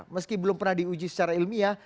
meski belum pernah diuji secara ilmiah